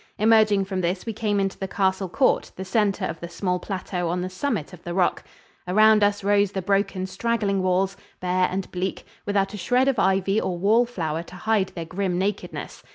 Emerging from this we came into the castle court, the center of the small plateau on the summit of the rock. Around us rose the broken, straggling walls, bare and bleak, without a shred of ivy or wall flower to hide their grim nakedness.